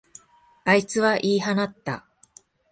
あいつは言い放った。